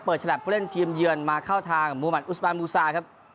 เปิดฉลับเพื่อเล่นทีมเยือนมาเข้าทางมุมัติอุสบานบูซาครับ